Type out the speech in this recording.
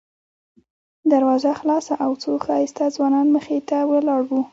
دروازه خلاصه او څو ښایسته ځوانان مخې ته ولاړ وو.